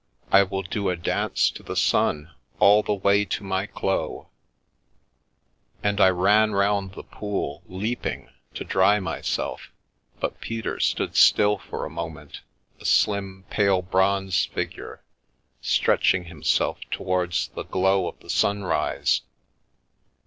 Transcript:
" I will do a dance to the sun all the way to my cloV And I ran round the pool, leaping, to dry myself, but Peter stood still for a moment, a slim, pale bronze figure, stretching himself towards the glow of the sunrise.